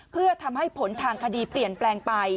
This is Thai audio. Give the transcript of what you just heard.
เพื่อทำให้ผลทางคดีเปลี่ยนแปลงไป